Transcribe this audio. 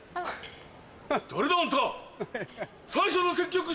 誰だ？あんた。